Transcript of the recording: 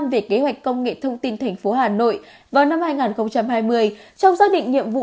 về kế hoạch công nghệ thông tin thành phố hà nội vào năm hai nghìn hai mươi trong xác định nhiệm vụ